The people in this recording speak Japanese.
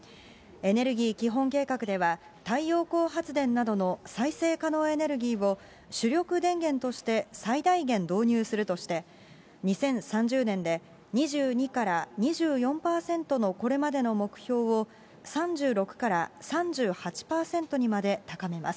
エネルギー基本計画では、太陽光発電などの再生可能エネルギーを、主力電源として最大限導入するとして、２０３０年で２２から２４％のこれまでの目標を、３６から３８％にまで高めます。